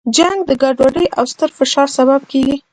جنګ د ګډوډۍ او ستر فشار سبب کیږي.